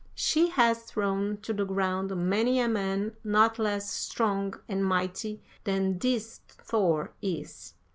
She has thrown to the ground many a man not less strong and mighty than this Thor is.'